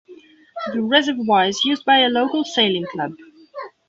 The reservoir is used by a local sailing club.